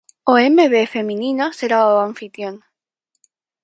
O Emevé feminino será o anfitrión.